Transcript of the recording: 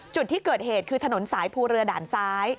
จุดที่เกิดเหตุคือถนนสายภูเรือด่านซ้าย